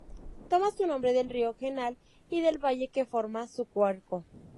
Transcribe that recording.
Toma su nombre del río Genal y del valle que forma su curso.